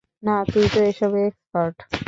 না, তুই তো এসবে এক্সপার্ট।